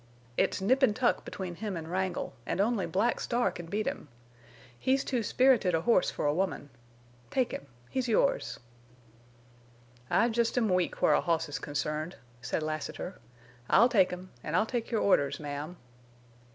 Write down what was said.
It's nip and tuck between him and Wrangle, and only Black Star can beat him. He's too spirited a horse for a woman. Take him. He's yours." "I jest am weak where a hoss's concerned," said Lassiter. "I'll take him, an' I'll take your orders, ma'am."